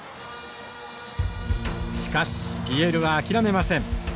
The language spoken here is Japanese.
しかしＰＬは諦めません。